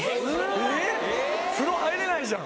・えっ・風呂入れないじゃん！